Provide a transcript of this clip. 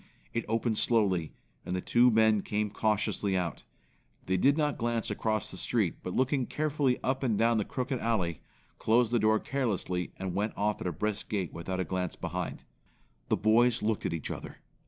It opened slowly, and the two men came cautiously out. They did not glance across the street, but looking carefully up and down the crooked alley, closed the door carelessly, and went off at a brisk gait without a glance behind. The boys looked at each other.